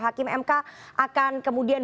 hakim mk akan kemudian